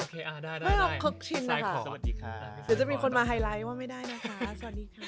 โอเคอ๋อได้คุกชินนะครับสวัสดีค่ะเดี๋ยวจะมีคนมาไฮไลท์ว่าไม่ได้นะคะสวัสดีค่ะ